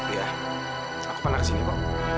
iya aku panah kesini bu